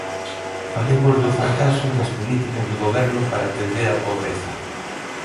Falemos do fracaso das políticas do Goberno para atender a pobreza.